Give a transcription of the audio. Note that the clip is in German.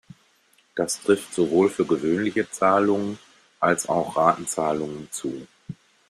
Das trifft sowohl für gewöhnliche Zahlungen, als auch Ratenzahlungen zu.